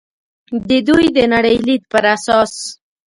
د دوی د نړۍ لید پر اساس.